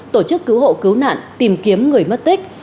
tổ chức cứu hộ cứu nạn tìm kiếm người mất tích